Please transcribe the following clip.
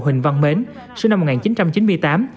huỳnh văn mến sinh năm một nghìn chín trăm chín mươi tám